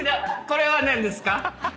これは何ですか？